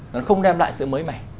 nó không đem lại sự mới mẻ